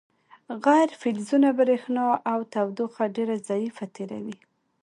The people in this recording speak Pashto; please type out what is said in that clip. غیر فلزونه برېښنا او تودوخه ډیره ضعیفه تیروي.